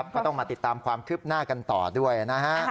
ก็ต้องมาติดตามความคืบหน้ากันต่อด้วยนะฮะ